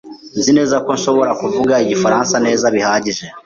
Nzi neza ko nshobora kuvuga Igifaransa neza bihagije.